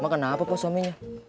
kenapa kok suaminya